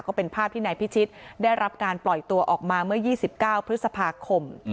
ก็เป็นภาพที่นายพิชิตได้รับการปล่อยตัวออกมาเมื่อ๒๙พฤษภาคม